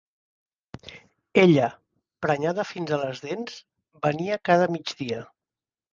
Ella, prenyada fins a les dents, venia cada migdia.